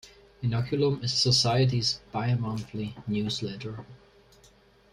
"Inoculum" is the Society's bimonthly newsletter.